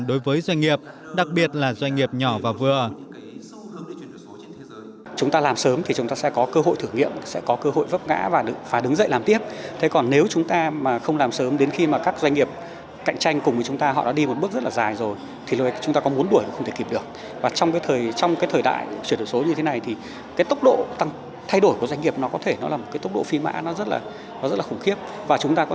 đối với doanh nghiệp đặc biệt là doanh nghiệp nhỏ và vừa